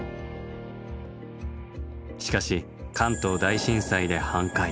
しかし関東大震災で半壊。